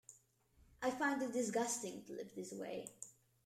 I find it disgusting to live this way.